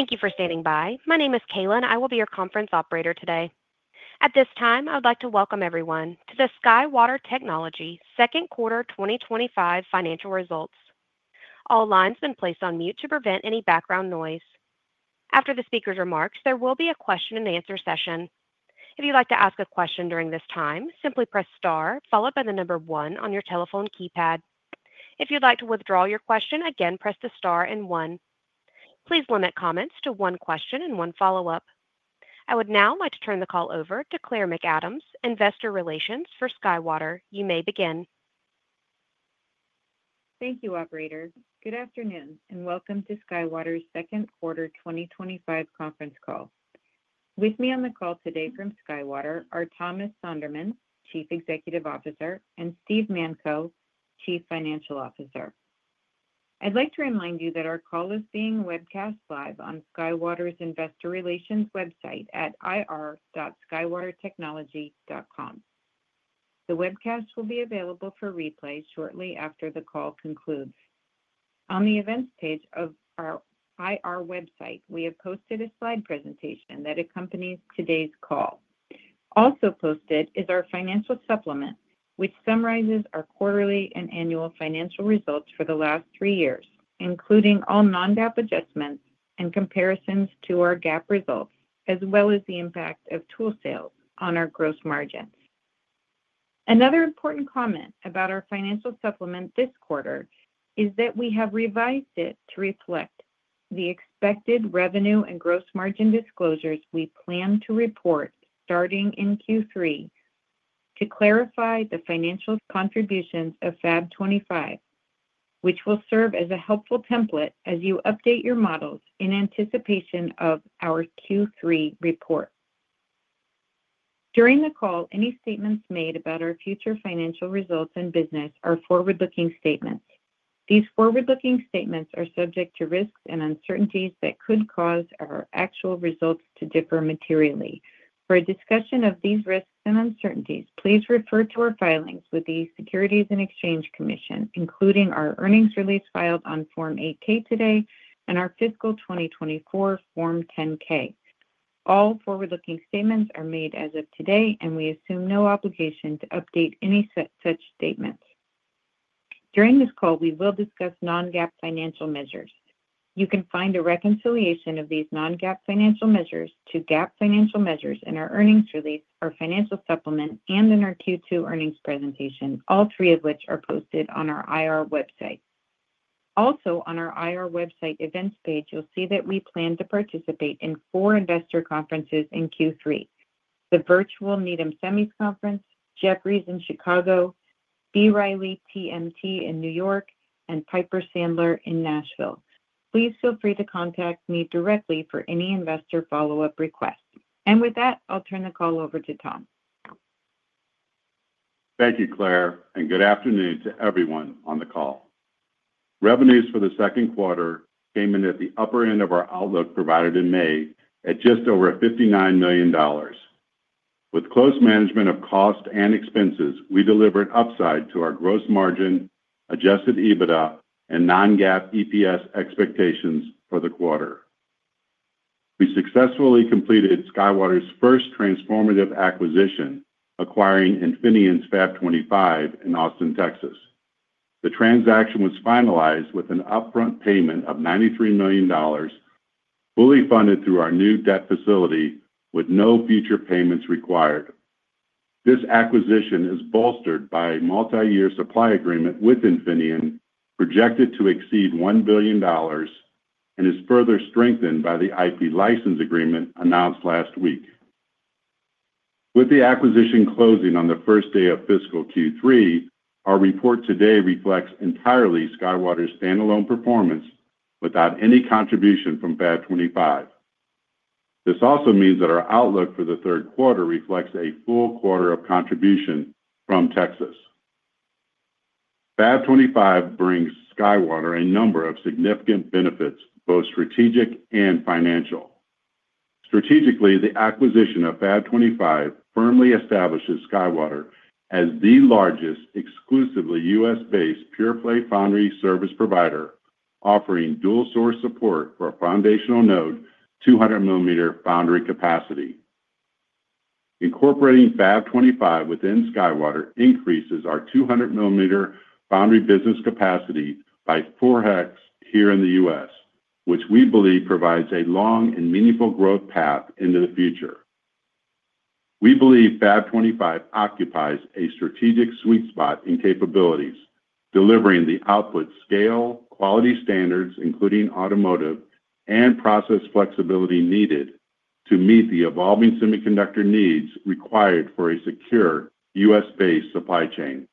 Thank you for standing by. My name is Kayla, and I will be your conference operator today. At this time, I would like to welcome everyone to the SkyWater Technology Second Quarter 2025 Financial Results. All lines have been placed on mute to prevent any background noise. After the speaker's remarks, there will be a question and answer session. If you'd like to ask a question during this time, simply press star followed by the number one on your telephone keypad. If you'd like to withdraw your question, again press the star and one. Please limit comments to one question and one follow-up. I would now like to turn the call over to Claire McAdams, Investor Relations for SkyWater. You may begin. Thank you, operator. Good afternoon and welcome to SkyWater's Second Quarter 2025 Conference Call. With me on the call today from SkyWater are Thomas Sonderman, Chief Executive Officer, and Steve Manko, Chief Financial Officer. I'd like to remind you that our call is being webcast live on SkyWater's investor relations website at ir.skywatertechnology.com. The webcast will be available for replay shortly after the call concludes. On the events page of our IR website, we have posted a slide presentation that accompanies today's call. Also posted is our financial supplement, which summarizes our quarterly and annual financial results for the last three years, including all non-GAAP adjustments and comparisons to our GAAP results, as well as the impact of tool sales on our gross margins. Another important comment about our financial supplement this quarter is that we have revised it to reflect the expected revenue and gross margin disclosures we plan to report starting in Q3 to clarify the financial contributions of Fab 25, which will serve as a helpful template as you update your models in anticipation of our Q3 report. During the call, any statements made about our future financial results in business are forward-looking statements. These forward-looking statements are subject to risks and uncertainties that could cause our actual results to differ materially. For a discussion of these risks and uncertainties, please refer to our filings with the Securities and Exchange Commission, including our earnings release filed on Form 8-K today and our fiscal 2024 Form 10-K. All forward-looking statements are made as of today, and we assume no obligation to update any such statements. During this call, we will discuss non-GAAP financial measures. You can find a reconciliation of these non-GAAP financial measures to GAAP financial measures in our earnings release, our financial supplement, and in our Q2 earnings presentation, all three of which are posted on our IR website. Also, on our IR website events page, you'll see that we plan to participate in four investor conferences in Q3: the virtual Needham Semis Conference, Jefferies in Chicago, B. Riley TMT in New York, and Piper Sandler in Nashville. Please feel free to contact me directly for any investor follow-up request. With that, I'll turn the call over to Tom. Thank you, Claire, and good afternoon to everyone on the call. Revenues for the second quarter came in at the upper end of our outlook provided in May at just over $59 million. With close management of cost and expenses, we delivered upside to our gross margin, adjusted EBITDA, and non-GAAP EPS expectations for the quarter. We successfully completed SkyWater's first transformative acquisition, acquiring Infineon's Fab 25 in Austin, Texas. The transaction was finalized with an upfront payment of $93 million, fully funded through our new debt facility with no future payments required. This acquisition is bolstered by a multi-year supply agreement with Infineon projected to exceed $1 billion and is further strengthened by the IP license agreement announced last week. With the acquisition closing on the first day of fiscal Q3, our report today reflects entirely SkyWater's standalone performance without any contribution from Fab 25. This also means that our outlook for the third quarter reflects a full quarter of contribution from Texas. Fab 25 brings SkyWater a number of significant benefits, both strategic and financial. Strategically, the acquisition of Fab 25 firmly establishes SkyWater as the largest exclusively U.S.-based pure-play foundry service provider, offering dual-source support for a foundational node 200mm foundry capacity. Incorporating Fab 25 within SkyWater increases our 200mm foundry business capacity by 4x here in the U.S., which we believe provides a long and meaningful growth path into the future. We believe Fab 25 occupies a strategic sweet spot in capabilities, delivering the output scale, quality standards, including automotive and process flexibility needed to meet the evolving semiconductor needs required for a secure U.S.-based supply chain.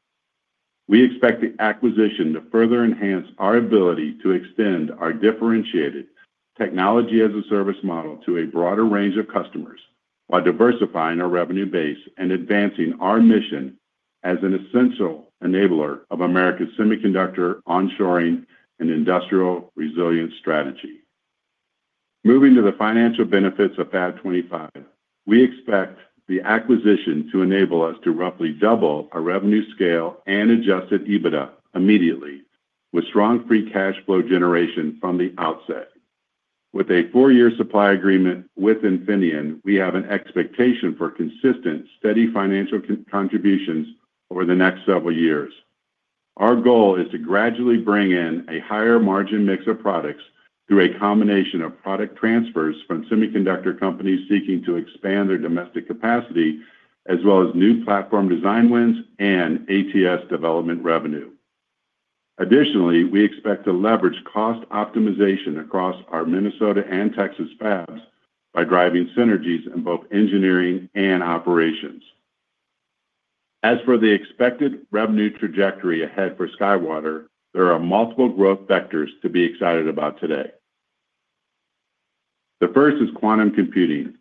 We expect the acquisition to further enhance our ability to extend our differentiated technology as a service model to a broader range of customers, while diversifying our revenue base and advancing our mission as an essential enabler of America's semiconductor onshoring and industrial resilience strategy. Moving to the financial benefits of Fab 25, we expect the acquisition to enable us to roughly double our revenue scale and adjusted EBITDA immediately, with strong free cash flow generation from the outset. With a four-year supply agreement with Infineon, we have an expectation for consistent, steady financial contributions over the next several years. Our goal is to gradually bring in a higher margin mix of products through a combination of product transfers from semiconductor companies seeking to expand their domestic capacity, as well as new platform design wins and ATS development revenue. Additionally, we expect to leverage cost optimization across our Minnesota and Texas fabs by driving synergies in both engineering and operations. As for the expected revenue trajectory ahead for SkyWater, there are multiple growth vectors to be excited about today. The first is quantum computing.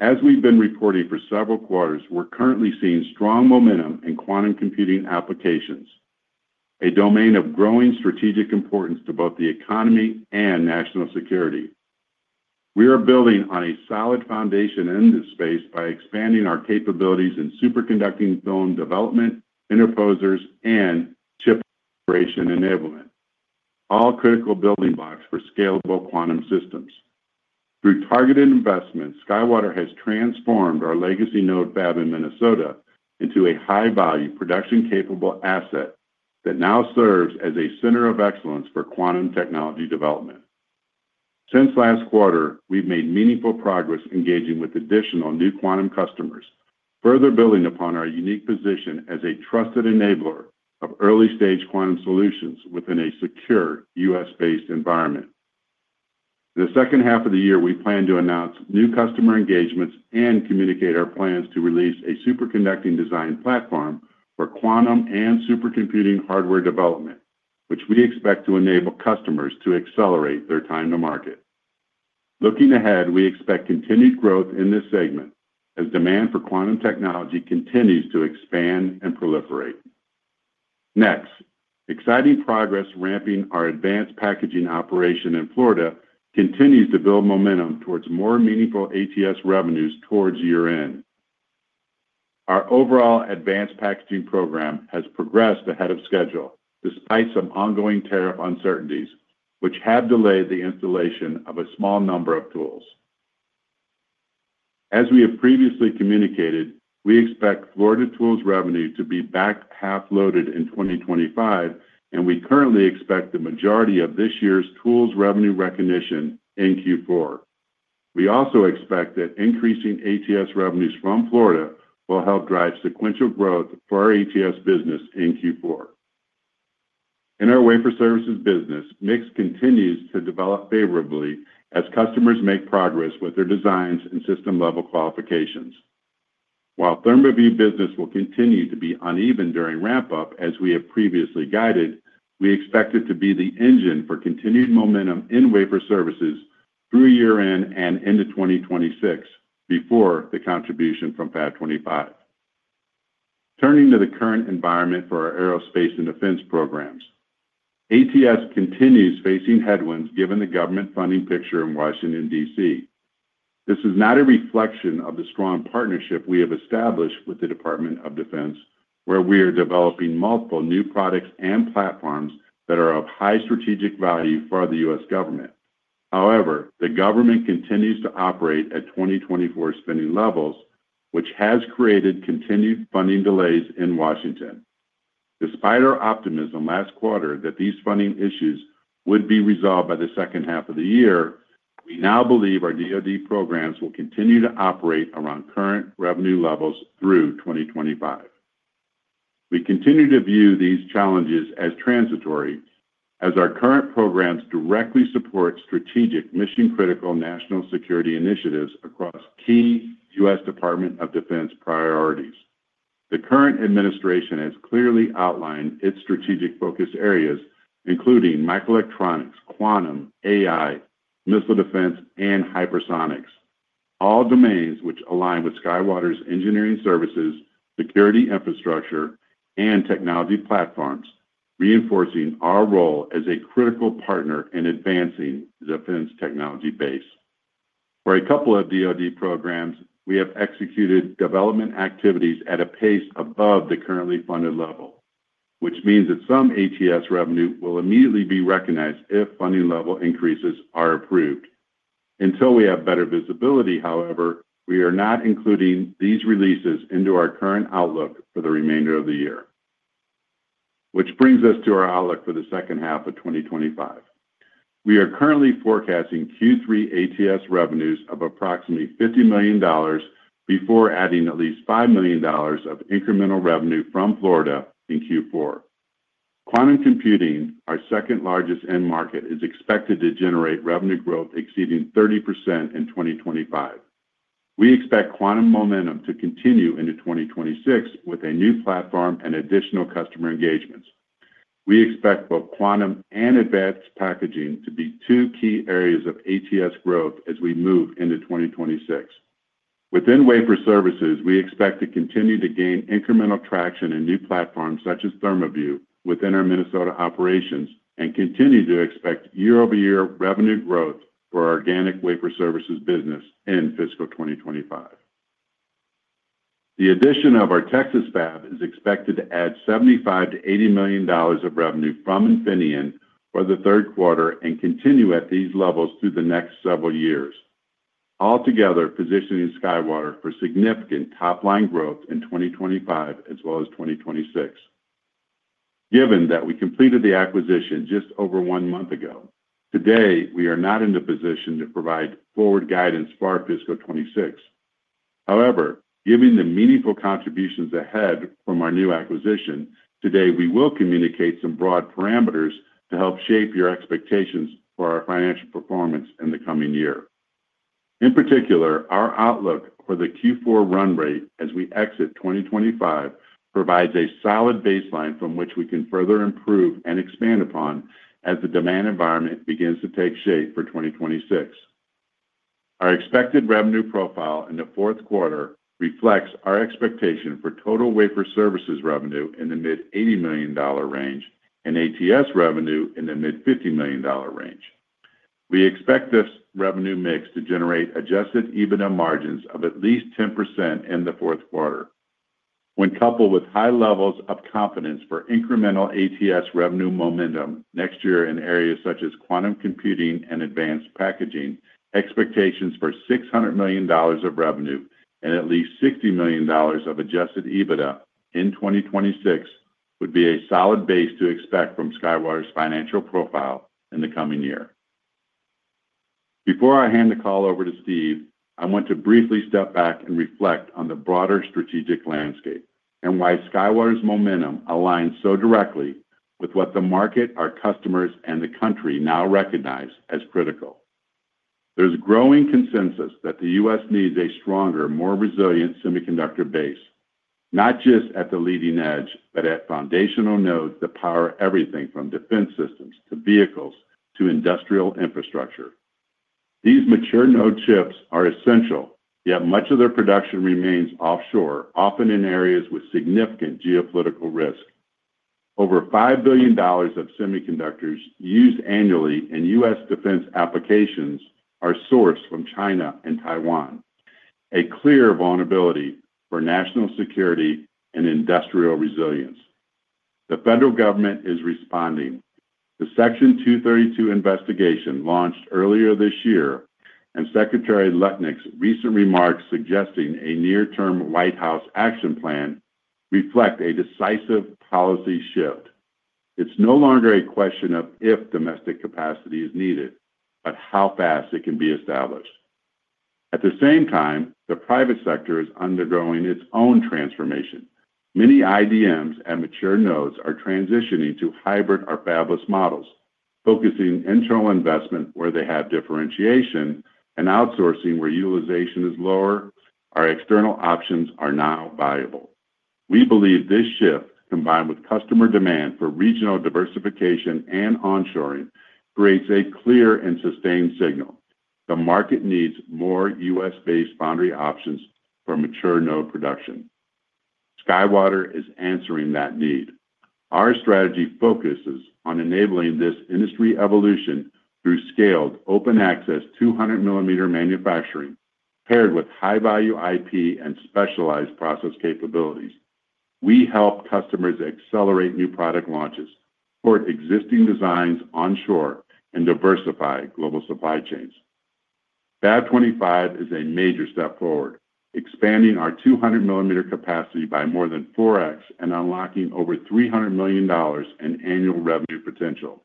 As we've been reporting for several quarters, we're currently seeing strong momentum in quantum computing applications, a domain of growing strategic importance to both the economy and national security. We are building on a solid foundation in this space by expanding our capabilities in superconducting film development, interposers, and chip creation enablement, all critical building blocks for scalable quantum systems. Through targeted investments, SkyWater has transformed our legacy node fab in Minnesota into a high-value production-capable asset that now serves as a center of excellence for quantum technology development. Since last quarter, we've made meaningful progress engaging with additional new quantum customers, further building upon our unique position as a trusted enabler of early-stage quantum solutions within a secure U.S.-based environment. In the second half of the year, we plan to announce new customer engagements and communicate our plans to release a superconducting design platform for quantum and supercomputing hardware development, which we expect to enable customers to accelerate their time to market. Looking ahead, we expect continued growth in this segment as demand for quantum technology continues to expand and proliferate. Next, exciting progress ramping our advanced packaging operation in Florida continues to build momentum towards more meaningful ATS revenues towards year-end. Our overall advanced packaging program has progressed ahead of schedule despite some ongoing tariff uncertainties, which have delayed the installation of a small number of tools. As we have previously communicated, we expect Florida tools revenue to be back half-loaded in 2025, and we currently expect the majority of this year's tools revenue recognition in Q4. We also expect that increasing ATS revenues from Florida will help drive sequential growth for our ATS business in Q4. In our wafer services business, mix continues to develop favorably as customers make progress with their designs and system-level qualifications. While ThermaView business will continue to be uneven during ramp-up, as we have previously guided, we expect it to be the engine for continued momentum in wafer services through year-end and into 2026 before the contribution from Fab 25. Turning to the current environment for our aerospace and defense programs, ATS continues facing headwinds given the government funding picture in Washington, D.C. This is not a reflection of the strong partnership we have established with the Department of Defense, where we are developing multiple new products and platforms that are of high strategic value for the U.S. government. However, the government continues to operate at 2024 spending levels, which has created continued funding delays in Washington. Despite our optimism last quarter that these funding issues would be resolved by the second half of the year, we now believe our DoD programs will continue to operate around current revenue levels through 2025. We continue to view these challenges as transitory, as our current programs directly support strategic mission-critical national security initiatives across key U.S. Department of Defense priorities. The current administration has clearly outlined its strategic focus areas, including microelectronics, quantum, AI, missile defense, and hypersonics, all domains which align with SkyWater's engineering services, security infrastructure, and technology platforms, reinforcing our role as a critical partner in advancing the defense technology base. For a couple of DoD programs, we have executed development activities at a pace above the currently funded level, which means that some ATS revenue will immediately be recognized if funding level increases are approved. Until we have better visibility, however, we are not including these releases into our current outlook for the remainder of the year, which brings us to our outlook for the second half of 2025. We are currently forecasting Q3 ATS revenues of approximately $50 million before adding at least $5 million of incremental revenue from Florida in Q4. Quantum computing, our second largest end market, is expected to generate revenue growth exceeding 30% in 2025. We expect quantum momentum to continue into 2026 with a new platform and additional customer engagements. We expect both quantum and advanced packaging to be two key areas of ATS growth as we move into 2026. Within wafer services, we expect to continue to gain incremental traction in new platforms such as ThermaView within our Minnesota operations and continue to expect year-over-year revenue growth for our organic wafer services business in fiscal 2025. The addition of our Texas fab is expected to add $75 million-$80 million of revenue from Infineon for the third quarter and continue at these levels through the next several years, altogether positioning SkyWater for significant top-line growth in 2025 as well as 2026. Given that we completed the acquisition just over one month ago, today we are not in a position to provide forward guidance for our fiscal 2026. However, given the meaningful contributions ahead from our new acquisition, today we will communicate some broad parameters to help shape your expectations for our financial performance in the coming year. In particular, our outlook for the Q4 run rate as we exit 2025 provides a solid baseline from which we can further improve and expand upon as the demand environment begins to take shape for 2026. Our expected revenue profile in the fourth quarter reflects our expectation for total wafer services revenue in the mid-$80 million range and ATS revenue in the mid-$50 million range. We expect this revenue mix to generate adjusted EBITDA margins of at least 10% in the fourth quarter. When coupled with high levels of confidence for incremental ATS revenue momentum next year in areas such as quantum computing and advanced packaging, expectations for $600 million of revenue and at least $60 million of adjusted EBITDA in 2026 would be a solid base to expect from SkyWater's financial profile in the coming year. Before I hand the call over to Steve, I want to briefly step back and reflect on the broader strategic landscape and why SkyWater's momentum aligns so directly with what the market, our customers, and the country now recognize as critical. There's growing consensus that the U.S. needs a stronger, more resilient semiconductor base, not just at the leading edge, but at foundational nodes that power everything from defense systems to vehicles to industrial infrastructure. These mature node chips are essential, yet much of their production remains offshore, often in areas with significant geopolitical risk. Over $5 billion of semiconductors used annually in U.S. defense applications are sourced from China and Taiwan, a clear vulnerability for national security and industrial resilience. The federal government is responding. The Section 232 investigation launched earlier this year, and Secretary Lutnick's recent remarks suggesting a near-term White House action plan reflect a decisive policy shift. It's no longer a question of if domestic capacity is needed, but how fast it can be established. At the same time, the private sector is undergoing its own transformation. Many IDMs and mature nodes are transitioning to hybrid or fabless models, focusing internal investment where they have differentiation and outsourcing where utilization is lower. Our external options are now viable. We believe this shift, combined with customer demand for regional diversification and onshoring, creates a clear and sustained signal: the market needs more U.S.-based foundry options for mature node production. SkyWater is answering that need. Our strategy focuses on enabling this industry evolution through scaled open-access 200mm manufacturing, paired with high-value IP and specialized process capabilities. We help customers accelerate new product launches, port existing designs onshore, and diversify global supply chains. Fab 25 is a major step forward, expanding our 200mm capacity by more than 4x and unlocking over $300 million in annual revenue potential.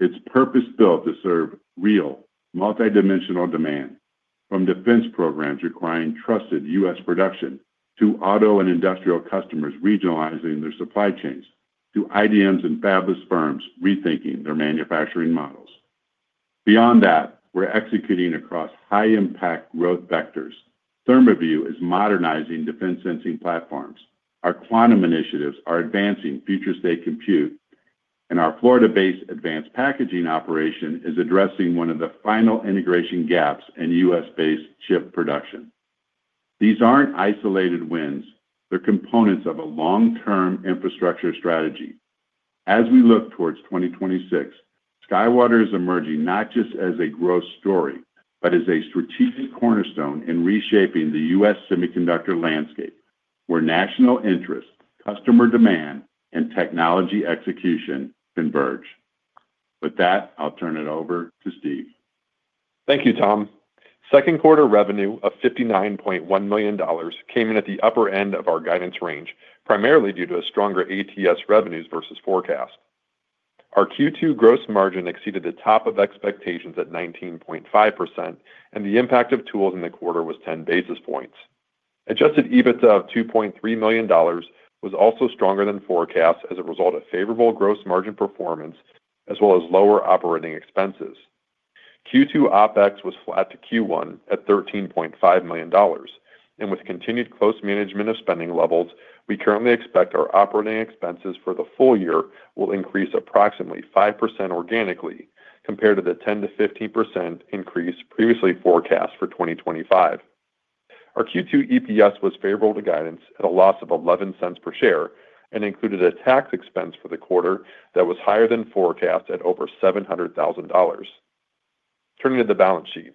It's purpose-built to serve real, multidimensional demand, from defense programs requiring trusted U.S. production to auto and industrial customers regionalizing their supply chains to IDMs and fabless firms rethinking their manufacturing models. Beyond that, we're executing across high-impact growth vectors. ThermaView is modernizing defense sensing platforms. Our quantum initiatives are advancing future-state compute, and our Florida-based advanced packaging operation is addressing one of the final integration gaps in U.S.-based chip production. These aren't isolated wins; they're components of a long-term infrastructure strategy. As we look towards 2026, SkyWater is emerging not just as a growth story, but as a strategic cornerstone in reshaping the U.S. semiconductor landscape, where national interests, customer demand, and technology execution converge. With that, I'll turn it over to Steve. Thank you, Tom. Second quarter revenue of $59.1 million came in at the upper end of our guidance range, primarily due to stronger ATS revenues versus forecast. Our Q2 gross margin exceeded the top of expectations at 19.5%, and the impact of tools in the quarter was 10 basis points. Adjusted EBITDA of $2.3 million was also stronger than forecast as a result of favorable gross margin performance, as well as lower operating expenses. Q2 OpEx was flat to Q1 at $13.5 million, and with continued close management of spending levels, we currently expect our operating expenses for the full year will increase approximately 5% organically compared to the 10%-15% increase previously forecast for 2025. Our Q2 EPS was favorable to guidance at a loss of $0.11 per share and included a tax expense for the quarter that was higher than forecast at over $700,000. Turning to the balance sheet,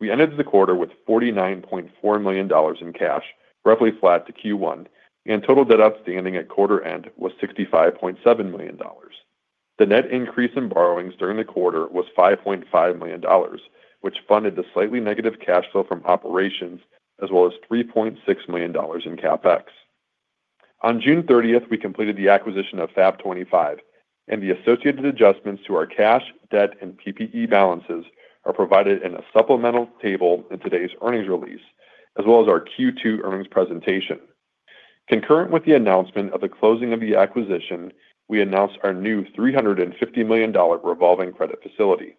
we ended the quarter with $49.4 million in cash, roughly flat to Q1, and total debt outstanding at quarter end was $65.7 million. The net increase in borrowings during the quarter was $5.5 million, which funded the slightly negative cash flow from operations, as well as $3.6 million in CapEx. On June 30th, we completed the acquisition of Fab 25, and the associated adjustments to our cash, debt, and PPE balances are provided in a supplemental table in today's earnings release, as well as our Q2 earnings presentation. Concurrent with the announcement of the closing of the acquisition, we announced our new $350 million revolving credit facility.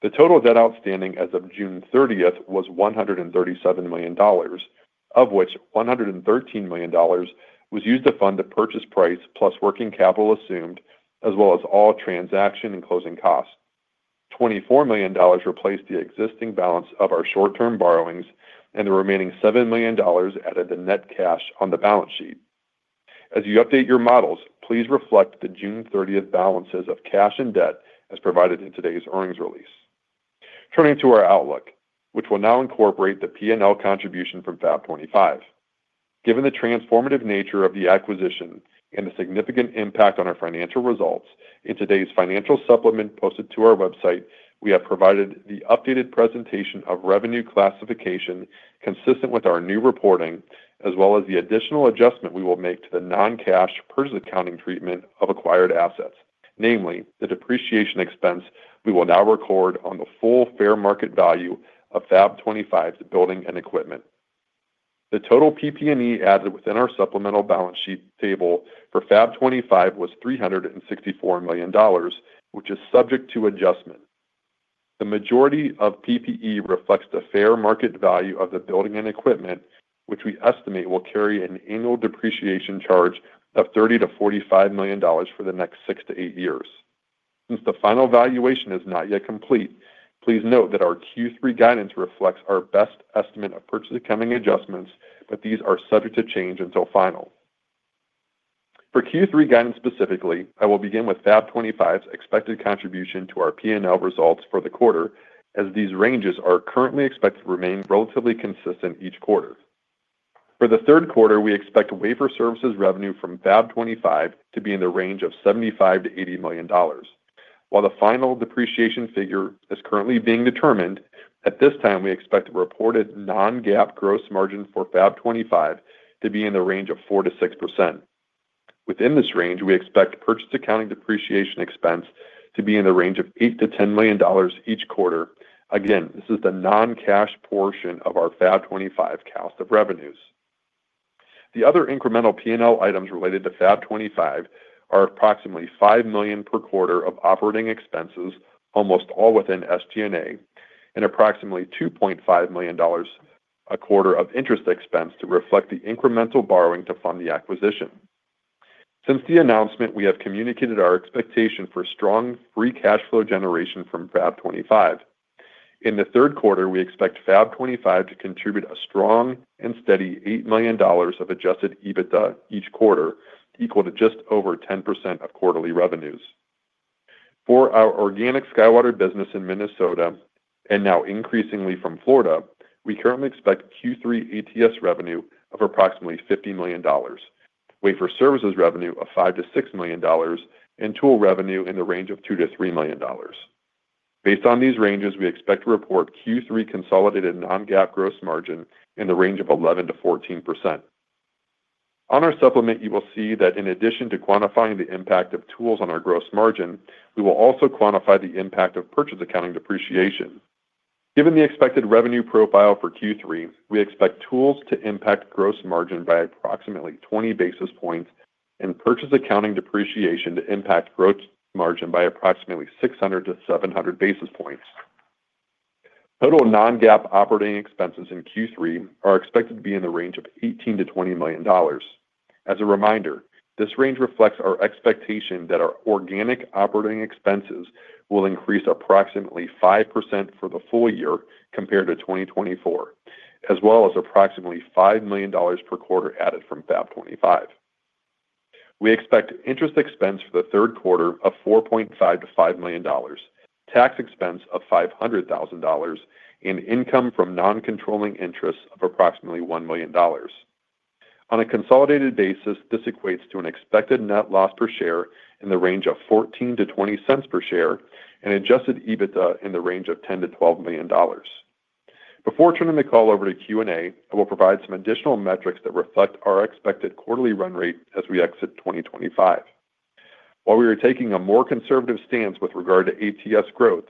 The total debt outstanding as of June 30th was $137 million, of which $113 million was used to fund the purchase price plus working capital assumed, as well as all transaction and closing costs. $24 million replaced the existing balance of our short-term borrowings, and the remaining $7 million added to net cash on the balance sheet. As you update your models, please reflect the June 30th balances of cash and debt as provided in today's earnings release. Turning to our outlook, which will now incorporate the P&L contribution from Fab 25. Given the transformative nature of the acquisition and the significant impact on our financial results, in today's financial supplement posted to our website, we have provided the updated presentation of revenue classification consistent with our new reporting, as well as the additional adjustment we will make to the non-cash purchase accounting treatment of acquired assets, namely, the depreciation expense we will now record on the full fair market value of Fab 25's building and equipment. The total PP&E added within our supplemental balance sheet table for Fab 25 was $364 million, which is subject to adjustment. The majority of PPE reflects the fair market value of the building and equipment, which we estimate will carry an annual depreciation charge of $30 million-$45 million for the next six to eight years. Since the final valuation is not yet complete, please note that our Q3 guidance reflects our best estimate of purchase accounting adjustments, but these are subject to change until final. For Q3 guidance specifically, I will begin with Fab 25's expected contribution to our P&L results for the quarter, as these ranges are currently expected to remain relatively consistent each quarter. For the third quarter, we expect wafer services revenue from Fab 25 to be in the range of $75 million-$80 million. While the final depreciation figure is currently being determined, at this time we expect the reported non-GAAP gross margin for Fab 25 to be in the range of 4%-6%. Within this range, we expect purchase accounting depreciation expense to be in the range of $8 million-$10 million each quarter. Again, this is the non-cash portion of our Fab 25 cost of revenues. The other incremental P&L items related to Fab 25 are approximately $5 million per quarter of operating expenses, almost all within SG&A, and approximately $2.5 million a quarter of interest expense to reflect the incremental borrowing to fund the acquisition. Since the announcement, we have communicated our expectation for strong free cash flow generation from Fab 25. In the third quarter, we expect Fab 25 to contribute a strong and steady $8 million of adjusted EBITDA each quarter, equal to just over 10% of quarterly revenues. For our organic SkyWater business in Minnesota, and now increasingly from Florida, we currently expect Q3 ATS revenue of approximately $50 million, wafer services revenue of $5 million-$6 million, and tool revenue in the range of $2 million-$3 million. Based on these ranges, we expect to report Q3 consolidated non-GAAP gross margin in the range of 11%-14%. On our supplement, you will see that in addition to quantifying the impact of tools on our gross margin, we will also quantify the impact of purchase accounting depreciation. Given the expected revenue profile for Q3, we expect tools to impact gross margin by approximately 20 basis points and purchase accounting depreciation to impact gross margin by approximately 600 basis points-700 basis points. Total non-GAAP operating expenses in Q3 are expected to be in the range of $18 million-$20 million. As a reminder, this range reflects our expectation that our organic operating expenses will increase approximately 5% for the full year compared to 2024, as well as approximately $5 million per quarter added from Fab 25. We expect interest expense for the third quarter of $4.5 million-$5 million, tax expense of $500,000, and income from non-controlling interests of approximately $1 million. On a consolidated basis, this equates to an expected net loss per share in the range of $0.14-$0.20 per share and adjusted EBITDA in the range of $10 million-$12 million. Before turning the call over to Q&A, I will provide some additional metrics that reflect our expected quarterly run rate as we exit 2025. While we are taking a more conservative stance with regard to ATS growth,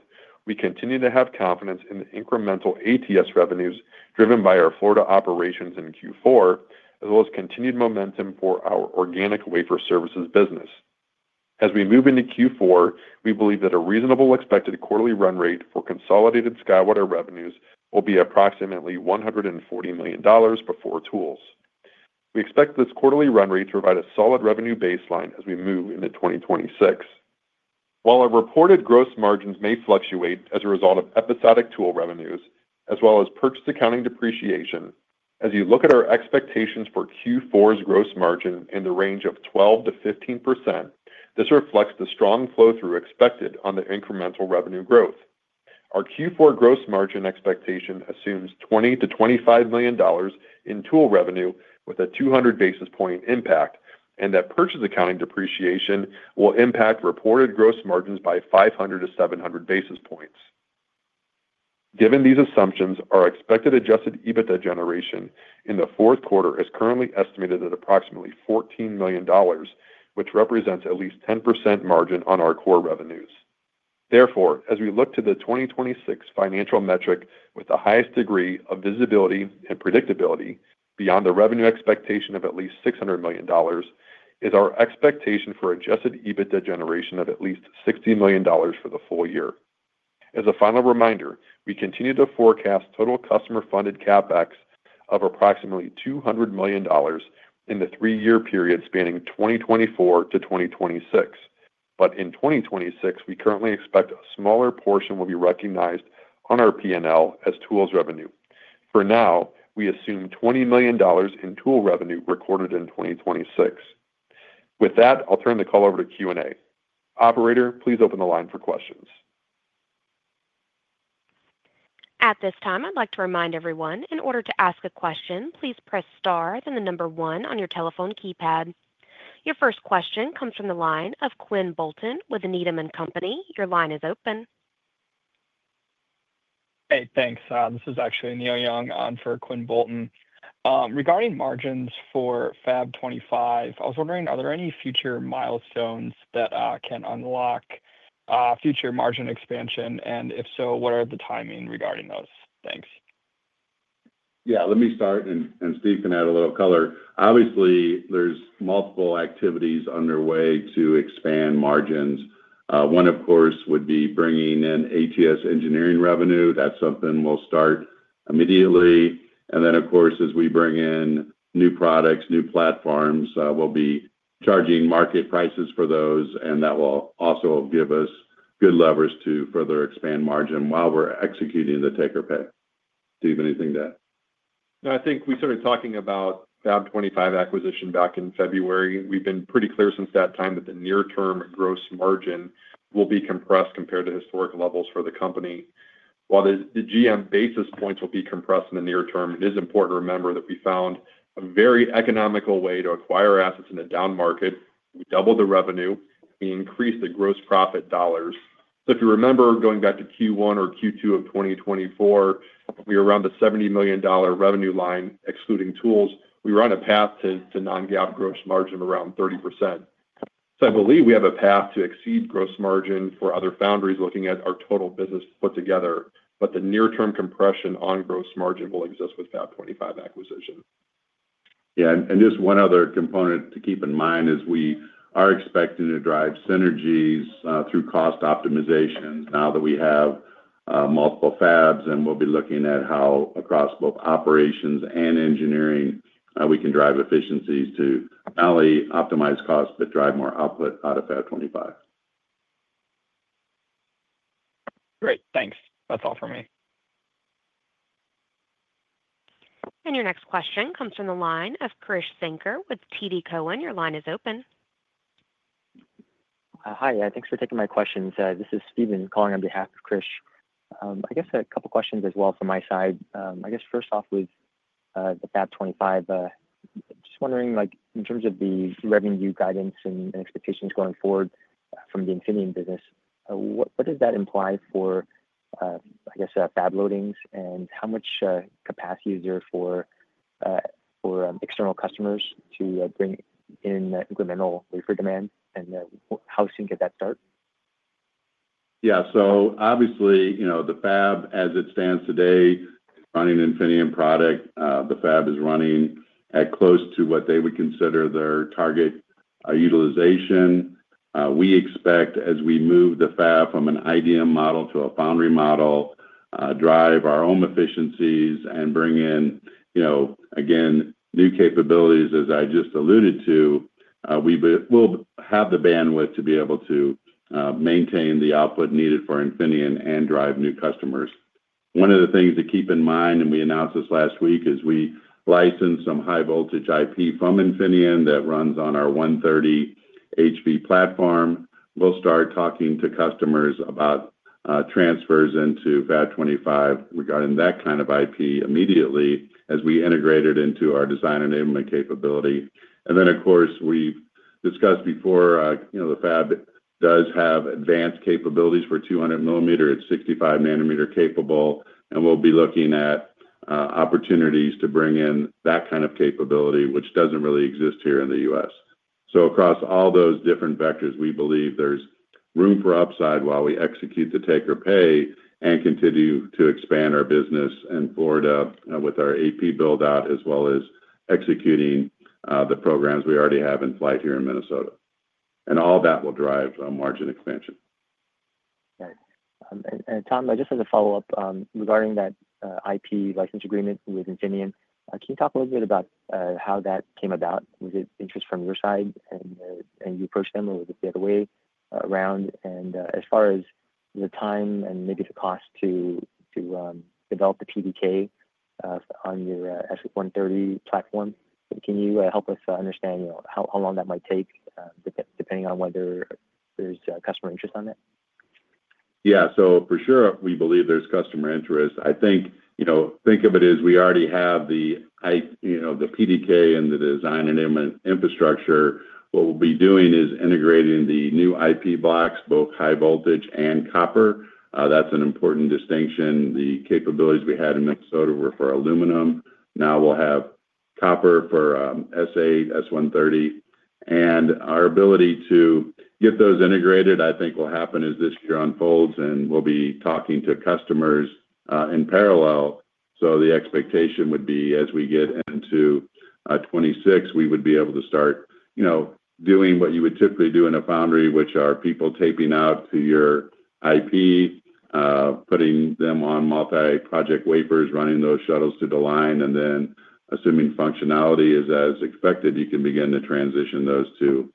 we continue to have confidence in the incremental ATS revenues driven by our Florida operations in Q4, as well as continued momentum for our organic wafer services business. As we move into Q4, we believe that a reasonable expected quarterly run rate for consolidated SkyWater revenues will be approximately $140 million before tools. We expect this quarterly run rate to provide a solid revenue baseline as we move into 2026. While our reported gross margins may fluctuate as a result of episodic tool revenues, as well as purchase accounting depreciation, as you look at our expectations for Q4's gross margin in the range of 12%-15%, this reflects the strong flow-through expected on the incremental revenue growth. Our Q4 gross margin expectation assumes $20 million-$25 million in tool revenue with a 200 basis point impact, and that purchase accounting depreciation will impact reported gross margins by 500 basis points-700 basis points. Given these assumptions, our expected adjusted EBITDA generation in the fourth quarter is currently estimated at approximately $14 million, which represents at least 10% margin on our core revenues. Therefore, as we look to the 2026 financial metric with the highest degree of visibility and predictability beyond the revenue expectation of at least $600 million, it is our expectation for adjusted EBITDA generation of at least $60 million for the full year. As a final reminder, we continue to forecast total customer-funded CapEx of approximately $200 million in the 3-year period spanning 2024-2026. In 2026, we currently expect a smaller portion will be recognized on our P&L as tools revenue. For now, we assume $20 million in tool revenue recorded in 2026. With that, I'll turn the call over to Q&A. Operator, please open the line for questions. At this time, I'd like to remind everyone, in order to ask a question, please press star, then the number one on your telephone keypad. Your first question comes from the line of Quinn Bolton with Needham & Company. Your line is open. Hey, thanks. This is actually Neil Young on for Quinn Bolton. Regarding margins for Fab 25, I was wondering, are there any future milestones that can unlock future margin expansion? If so, what are the timing regarding those? Thanks. Yeah, let me start, and Steve can add a little color. Obviously, there's multiple activities underway to expand margins. One, of course, would be bringing in ATS engineering revenue. That's something we'll start immediately. And of course, as we bring in new products, new platforms, we'll be charging market prices for those, and that will also give us good levers to further expand margin while we're executing the take or pay. Do you have anything to add? No, I think we started talking about Fab 25 acquisition back in February. We've been pretty clear since that time that the near-term gross margin will be compressed compared to historic levels for the company. While the GM basis points will be compressed in the near term, it is important to remember that we found a very economical way to acquire assets in a down market. We doubled the revenue. We increased the gross profit dollars. If you remember going back to Q1 or Q2 of 2024, we were around the $70 million revenue line, excluding tools. We were on a path to non-GAAP gross margin of around 30%. I believe we have a path to exceed gross margin for other foundries looking at our total business put together. The near-term compression on gross margin will exist with Fab 25 acquisition. Yeah, just one other component to keep in mind is we are expecting to drive synergies through cost optimizations now that we have multiple fabs, and we'll be looking at how across both operations and engineering we can drive efficiencies to not only optimize costs but drive more output out of Fab 25. Great, thanks. That's all for me. Your next question comes from the line of Krish Sanker with TD Cowen. Your line is open. Hi, thanks for taking my questions. This is Steven calling on behalf of Krish. I guess a couple of questions as well from my side. First off, with the Fab 25, just wondering, in terms of the revenue guidance and expectations going forward from the Infineon business, what does that imply for fab loadings and how much capacity is there for external customers to bring in incremental wafer demand? How soon could that start? Yeah, so obviously, you know, the fab as it stands today, running an Infineon product, the fab is running at close to what they would consider their target utilization. We expect, as we move the fab from an IDM model to a foundry model, to drive our own efficiencies and bring in, you know, again, new capabilities as I just alluded to. We will have the bandwidth to be able to maintain the output needed for Infineon and drive new customers. One of the things to keep in mind, and we announced this last week, is we licensed some high-voltage IP from Infineon that runs on our S130 platform. We'll start talking to customers about transfers into Fab 25 regarding that kind of IP immediately as we integrate it into our design enablement capability. Of course, we've discussed before, you know, the fab does have advanced capabilities for 200mm. It's 65 nanometer capable, and we'll be looking at opportunities to bring in that kind of capability, which doesn't really exist here in the U.S. Across all those different vectors, we believe there's room for upside while we execute the take or pay and continue to expand our business in Florida with our AP build-out, as well as executing the programs we already have in flight here in Minnesota. All that will drive margin expansion. Got it. Tom, I just have a follow-up regarding that IP license agreement with Infineon. Can you talk a little bit about how that came about? Was it interest from your side and you approached them, or was it the other way around? As far as the time and maybe the cost to develop the PDK on your S130 platform, can you help us understand how long that might take depending on whether there's customer interest on it? Yeah, for sure, we believe there's customer interest. I think, you know, think of it as we already have the, you know, the PDK and the design enablement infrastructure. What we'll be doing is integrating the new IP blocks, both high voltage and copper. That's an important distinction. The capabilities we had in Minnesota were for aluminum. Now we'll have copper for S8, S130. Our ability to get those integrated, I think, will happen as this year unfolds, and we'll be talking to customers in parallel. The expectation would be as we get into 2026, we would be able to start, you know, doing what you would typically do in a foundry, which are people taping out to your IP, putting them on multi-project wafers, running those shuttles to the line, and then assuming functionality is as expected, you can begin to transition those to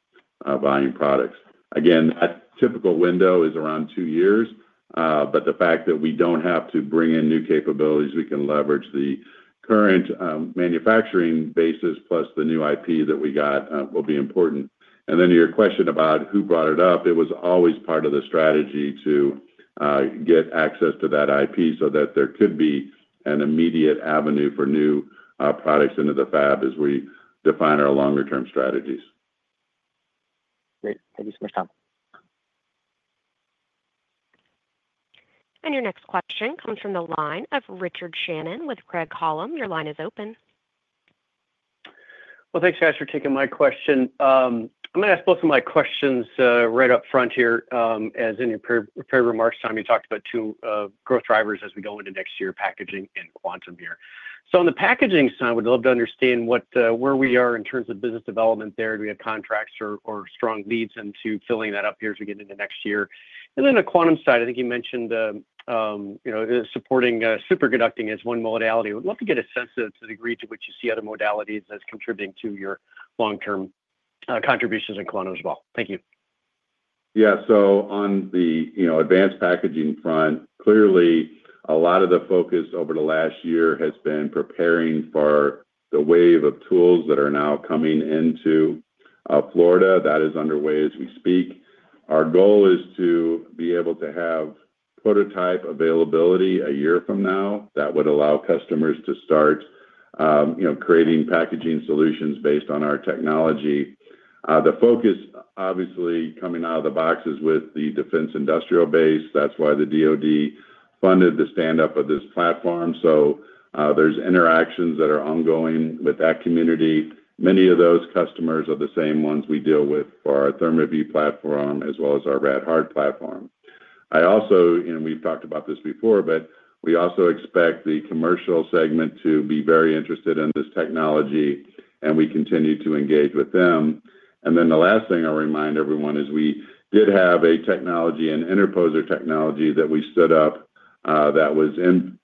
buying products. That typical window is around two years, but the fact that we don't have to bring in new capabilities, we can leverage the current manufacturing basis plus the new IP that we got will be important. Your question about who brought it up, it was always part of the strategy to get access to that IP so that there could be an immediate avenue for new products into the fab as we define our longer-term strategies. Great. Thank you so much, Tom. Your next question comes from the line of Richard Shannon with Craig-Hallum. Your line is open. Thank you, guys, for taking my question. I'm going to ask both of my questions right up front here. As in your prior remarks, Tom, you talked about two growth drivers as we go into next year, packaging and quantum here. On the packaging side, I would love to understand where we are in terms of business development there. Do we have contracts or strong leads into filling that up here as we get into next year? On the quantum side, I think you mentioned supporting superconducting as one modality. I'd love to get a sense of the degree to which you see other modalities as contributing to your long-term contributions in quantum as well. Thank you. Yeah, so on the advanced packaging front, clearly, a lot of the focus over the last year has been preparing for the wave of tools that are now coming into Florida that is underway as we speak. Our goal is to be able to have prototype availability a year from now that would allow customers to start creating packaging solutions based on our technology. The focus, obviously, coming out of the box is with the defense industrial base. That's why the DoD funded the standup of this platform. So, there are interactions that are ongoing with that community. Many of those customers are the same ones we deal with for our ThermaView platform as well as our Rad-Hard platform. We've talked about this before, but we also expect the commercial segment to be very interested in this technology, and we continue to engage with them. And, the last thing I'll remind everyone is we did have a technology, an interposer technology that we stood up that was in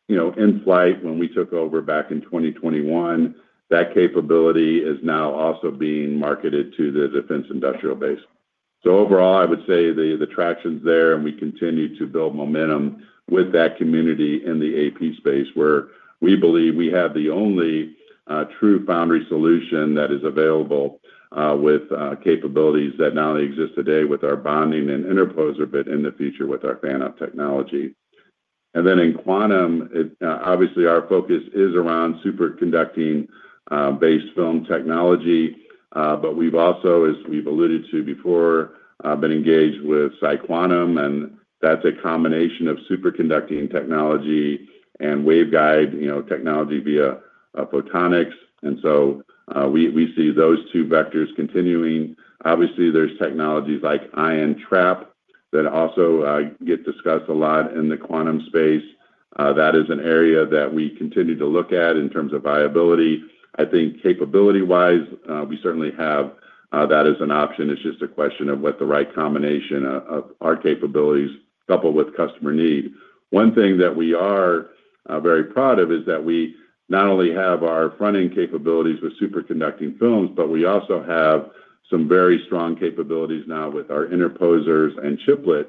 flight when we took over back in 2021. That capability is now also being marketed to the defense industrial base. So, overall, I would say the traction's there, and we continue to build momentum with that community in the AP space where we believe we have the only true foundry solution that is available with capabilities that not only exist today with our bonding and interposer, but in the future with our fan-out technology. In quantum, obviously, our focus is around superconducting-based film technology, but we've also, as we've alluded to before, been engaged with PsiQuantum, and that's a combination of superconducting technology and waveguide technology via photonics. So, we see those two vectors continuing. Obviously, there are technologies like ion trap that also get discussed a lot in the quantum space. That is an area that we continue to look at in terms of viability. I think capability-wise, we certainly have that as an option. It's just a question of what the right combination of our capabilities coupled with customer need. One thing that we are very proud of is that we not only have our front-end capabilities with superconducting films, but we also have some very strong capabilities now with our interposers and chiplet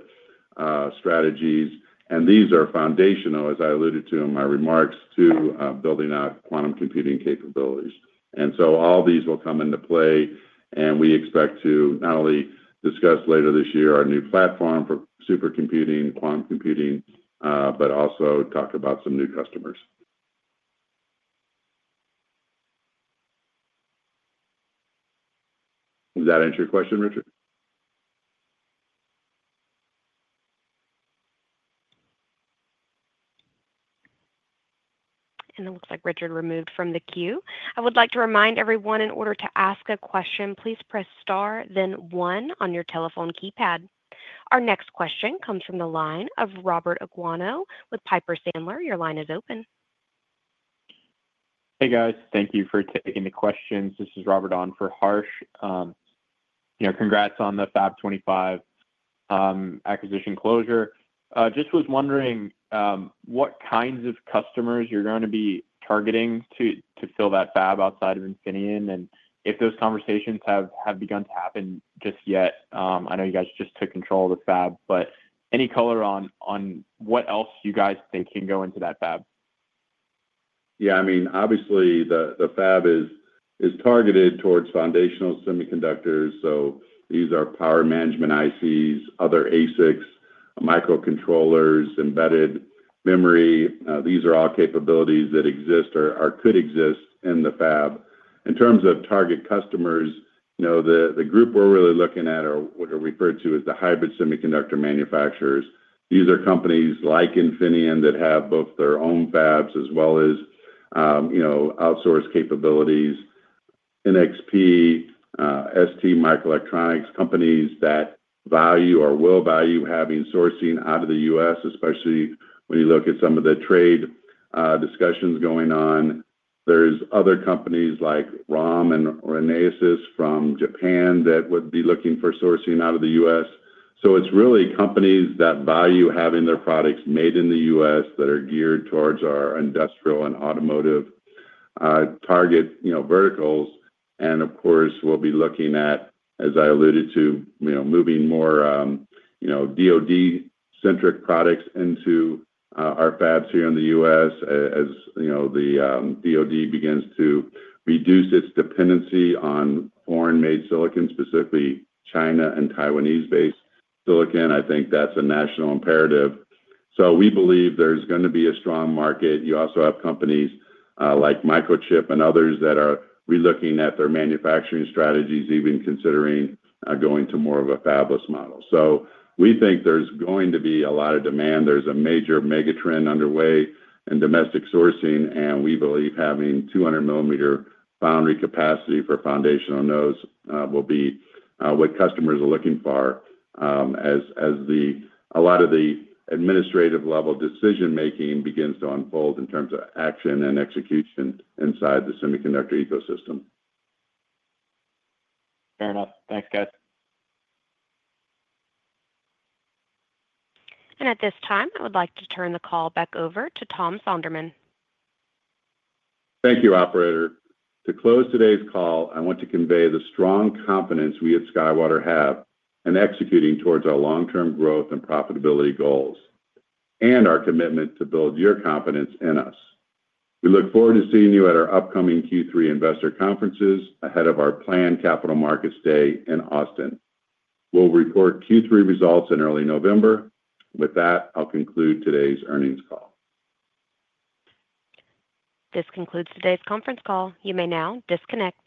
strategies, and these are foundational, as I alluded to in my remarks, to building out quantum computing capabilities. So, all these will come into play, and we expect to not only discuss later this year our new platform for supercomputing and quantum computing, but also talk about some new customers. Does that answer your question, Richard? It looks like Richard removed from the queue. I would like to remind everyone, in order to ask a question, please press star, then one on your telephone keypad. Our next question comes from the line of Robert Aguanno with Piper Sandler. Your line is open. Hey, guys. Thank you for taking the questions. This is Robert on for Harsh. Congrats on the Fab 25 acquisition closure. Just was wondering what kinds of customers you're going to be targeting to fill that fab outside of Infineon, and if those conversations have begun to happen yet. I know you guys just took control of the fab, but any color on what else you guys think can go into that fab? Yeah, I mean, obviously, the fab is targeted towards foundational semiconductors. These are power management ICs, other ASICs, microcontrollers, embedded memory. These are all capabilities that exist or could exist in the fab. In terms of target customers, the group we're really looking at are what are referred to as the hybrid semiconductor manufacturers. These are companies like Infineon that have both their own fabs as well as outsource capabilities. NXP, STMicroelectronics, companies that value or will value having sourcing out of the U.S., especially when you look at some of the trade discussions going on. There are other companies like ROHM and Renesas from Japan that would be looking for sourcing out of the U.S. It's really companies that value having their products made in the U.S. that are geared towards our industrial and automotive target verticals. Of course, we'll be looking at, as I alluded to, moving more DoD-centric products into our fabs here in the U.S. as the DoD begins to reduce its dependency on foreign-made silicon, specifically China and Taiwanese-based silicon. I think that's a national imperative. We believe there's going to be a strong market. You also have companies like Microchip and others that are relooking at their manufacturing strategies, even considering going to more of a fabless model. We think there's going to be a lot of demand. There's a major megatrend underway in domestic sourcing, and we believe having 200mm foundry capacity for foundational nodes will be what customers are looking for as a lot of the administrative-level decision-making begins to unfold in terms of action and execution inside the semiconductor ecosystem. Fair enough. Thanks, guys. At this time, I would like to turn the call back over to Tom Sonderman. Thank you, operator. To close today's call, I want to convey the strong confidence we at SkyWater have in executing towards our long-term growth and profitability goals and our commitment to build your confidence in us. We look forward to seeing you at our upcoming Q3 investor conferences ahead of our planned Capital Markets Day in Austin. We'll report Q3 results in early November. With that, I'll conclude today's earnings call. This concludes today's conference call. You may now disconnect.